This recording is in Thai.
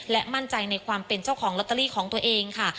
และมั่นใจในความเป็นเจ้าของลอตเตอรี่ของตัวเองค่ะ